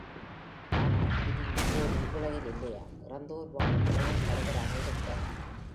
ஆனால் பிதி இப்போது இவ்வுலகில் இல்லையாம், இறந்தோர் வாழும் உலகின் தலைவராக இருக்கிறாராம்.